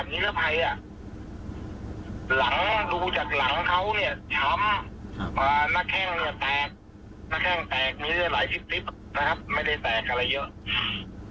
น่าแข้งแตกมีเรื่องหลายซิปซิปนะครับไม่ได้แตกอะไรเยอะ